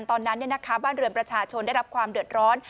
ตอนนั้นบ้านเรือนประชาชนได้รับความเดือดร้อน